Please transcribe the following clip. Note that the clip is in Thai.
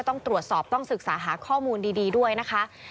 ต้องตรวจสอบต้องศึกษาหาข้อมูลดีด้วยนะคะ